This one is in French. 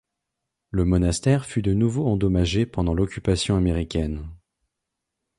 Le monastère fut de nouveau endommagé pendant l'occupation américaine.